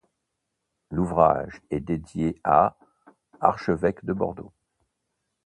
L'ouvrage est dédié à archevêque de Bordeaux.